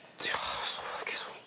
そうだけど。